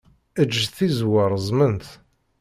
Eǧǧ tizewwa reẓment.